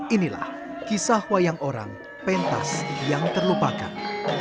inilah kisah wayang orang pentas yang terlupakan